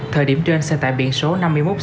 thời điểm trên xe tải biển số hai đã bốc cháy